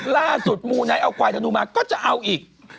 ล่าสุดว่าแน้งกูมาเอากวายถนนูมาก็จะเอาอีก